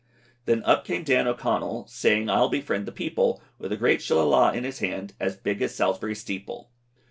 Then up came Dan O'Connel, Saying I'll befriend the people, With a great Shillalah in his hand, As big as Salsbury steeple.